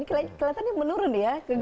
kelihatannya menurun ya